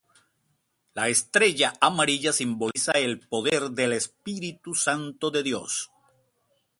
La estrella amarilla simboliza el poder del Espíritu Santo de Dios.